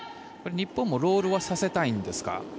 日本もロールはさせたいんですか。